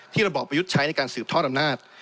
ระบอบประยุทธ์ใช้ในการสืบทอดอำนาจ